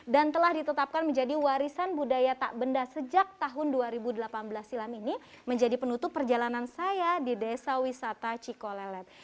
telah ditetapkan menjadi warisan budaya tak benda sejak tahun dua ribu delapan belas silam ini menjadi penutup perjalanan saya di desa wisata cikolelet